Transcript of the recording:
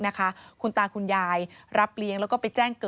โปรดติดตามต่างกรรมโปรดติดตามต่างกรรม